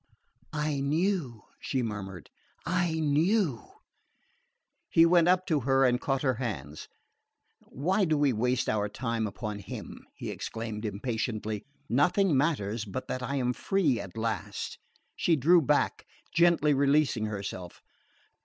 "I knew," she murmured, "I knew " He went up to her and caught her hands. "Why do we waste our time upon him?" he exclaimed impatiently. "Nothing matters but that I am free at last." She drew back, gently releasing herself.